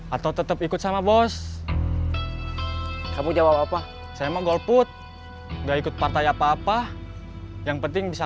atau tetap ikut sama bos kamu jawab apa saya mau golput nggak ikut partai apa apa yang penting bisa